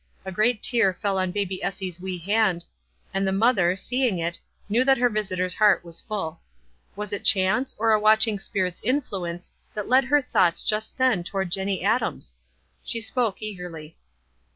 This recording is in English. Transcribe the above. A great tear fell on baby Essie's wee hand, and the mother, see ing it, knew that her visitor's heart was full. Was it chance, or a watching Spirit's influence, that led her thoughts just theu toward Jenny Adams ? She spoke eagerly.